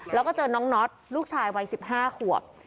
แล้วก็เจอน้องน็อตลูกชายวัย๑๕ขวบ